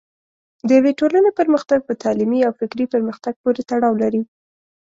د یوې ټولنې پرمختګ په تعلیمي او فکري پرمختګ پورې تړاو لري.